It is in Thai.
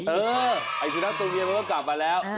เออไอ้สุนัขตัวนี้มันก็กลับมาแล้ว